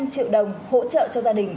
tám mươi năm triệu đồng hỗ trợ cho gia đình